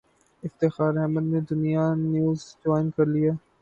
افتخار احمد نے Dunya News join کر لیا